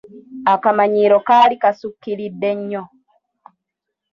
Akamanyiiro kaali kasukkiridde nnyo.